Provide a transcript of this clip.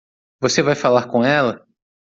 Você vai falar com ela?